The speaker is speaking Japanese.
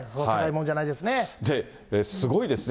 すごいですね。